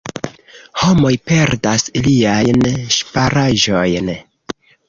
Homoj perdas iliajn ŝparaĵojn.